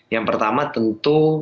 yang pertama tentu